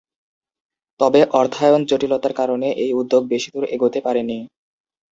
তবে অর্থায়ন জটিলতার কারণে এই উদ্যোগ বেশি দূর এগোতে পারেনি।